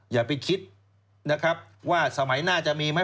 อย่าไปคิดสมัยหน้าจะมีไหม